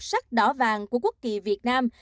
sắc đỏ vàng của quốc kỳ việt nam